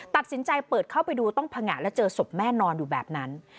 ตัดสินใจเปิดเข้าไปดูต้องผงะและเจอศพแม่นอนอยู่แบบนั้น